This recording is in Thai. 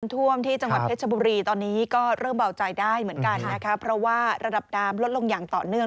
น้ำท่วมที่จังหวัดเพชรภบุรีตอนนี้เริ่มเบ้าใจได้เพราะรับดามลดลงอย่างต่อเนื่อง